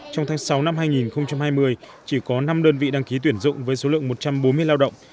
trong tháng sáu năm hai nghìn hai mươi chỉ có năm đơn vị đăng ký tuyển dụng với số lượng một trăm bốn mươi lao động